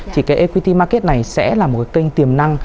thì cái apt market này sẽ là một cái kênh tiềm năng